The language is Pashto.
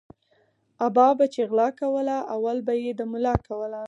ابا به چی غلا کوله اول به یی د ملا کوله